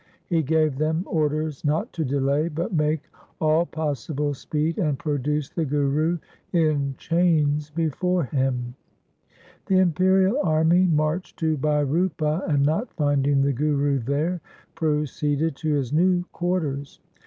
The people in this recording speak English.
He gave them orders not to delay, but make all possible speed and produce the Guru in chains before him. The imperial army marched to Bhai Rupa and not finding the Guru there proceeded to his new quarters.